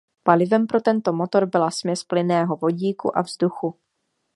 Palivem pro tento motor byla směs plynného vodíku a vzduchu.